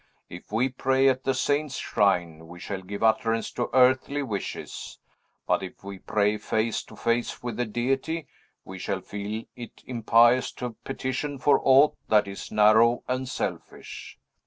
If we pray at a saint's shrine, we shall give utterance to earthly wishes; but if we pray face to face with the Deity, we shall feel it impious to petition for aught that is narrow and selfish.